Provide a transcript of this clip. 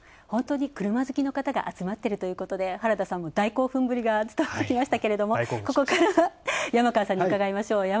本当に車好きの方が集まっているということで原田さんも大興奮ぶりが伝わってきましたけれどもここからは、山川さんに伺いましょう。